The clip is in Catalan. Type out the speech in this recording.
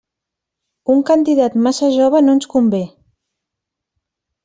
Un candidat massa jove no ens convé.